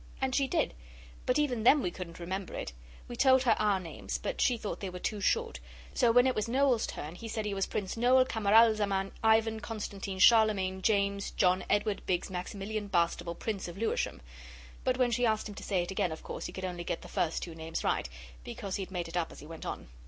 and she did, but even then we couldn't remember it. We told her our names, but she thought they were too short, so when it was Noel's turn he said he was Prince Noel Camaralzaman Ivan Constantine Charlemagne James John Edward Biggs Maximilian Bastable Prince of Lewisham, but when she asked him to say it again of course he could only get the first two names right, because he'd made it up as he went on.